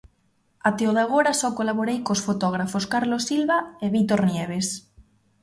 Até o de agora, só colaborei cos fotógrafos Carlos Silva e Vítor Nieves.